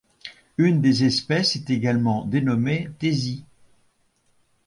Une des espèces est également dénommée tésie.